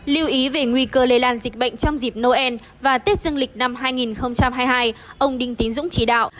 lưu ý về nguy cơ lây lan dịch bệnh trong dịp noel và tết dương lịch năm hai nghìn hai mươi hai ông đinh tín dũng chỉ đạo